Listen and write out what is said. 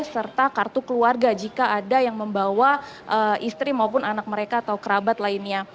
serta kartu keluarga jika ada yang membawa istri maupun anak mereka atau kerabat lainnya